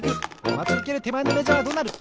まちうけるてまえのメジャーはどうなる？